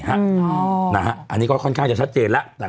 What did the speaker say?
อันนี้ก็ค่อนข้างจะชัดเจนแล้ว